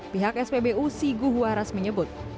pihak spbu siguhwaras menyebut